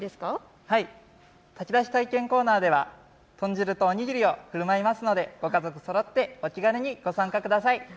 炊き出し体験コーナーでは豚汁とお握りをふるまいますのでご家族そろってお気軽にご参加ください。